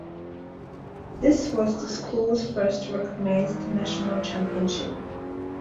This was the school's first recognized national championship.